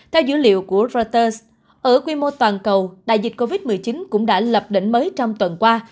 theo dữ liệu của reuters ở quy mô toàn cầu đại dịch covid một mươi chín cũng đã lập đỉnh mới trong tuần qua